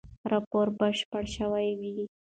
راپور به بشپړ شوی وي.